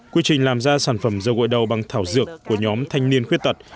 quy trình làm ra sản phẩm dầu gội đầu bằng thảo dược của nhóm thanh niên khuyết tật